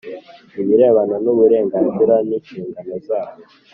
ibirebana n uburenganzira n inshingano zabo